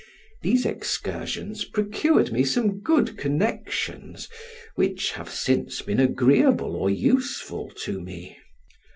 These excursions procured me some good connections, which have since been agreeable or useful to me.